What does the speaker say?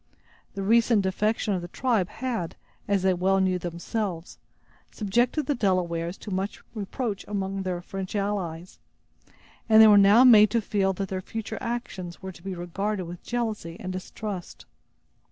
The recent defection of the tribe had, as they well knew themselves, subjected the Delawares to much reproach among their French allies; and they were now made to feel that their future actions were to be regarded with jealousy and distrust.